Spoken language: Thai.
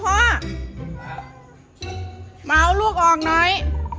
มาเอาลูกออกหน่อย